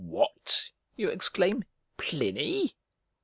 "What!" you exclaim, "Pliny!"